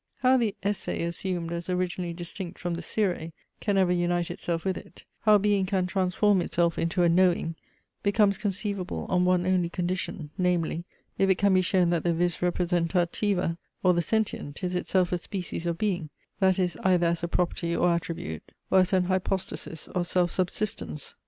How the esse assumed as originally distinct from the scire, can ever unite itself with it; how being can transform itself into a knowing, becomes conceivable on one only condition; namely, if it can be shown that the vis representativa, or the Sentient, is itself a species of being; that is, either as a property or attribute, or as an hypostasis or self subsistence.